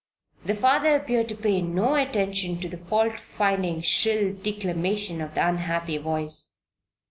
The father appeared to pay no attention to the fault finding, shrill declamation of the unhappy voice.